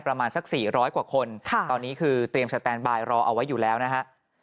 ประมาณสัก๔๐๐กว่าคนตอนนี้คือเตรียมสแตนบายรอเอาไว้อยู่แล้วนะฮะ